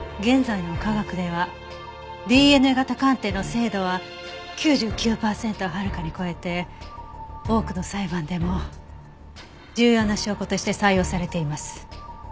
現在の科学ではＤＮＡ型鑑定の精度は９９パーセントをはるかに超えて多くの裁判でも重要な証拠として採用されています。